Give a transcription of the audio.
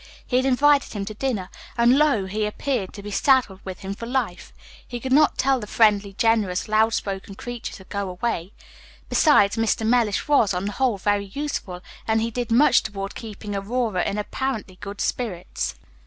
He had invited him to dinner, and, lo! he appeared to be saddled with him for life. He could not tell the friendly, generous, loud spoken creature to go away. Besides, Mr. Mellish was, on the whole, very useful, and he did much toward keeping Aurora in apparently good spirits.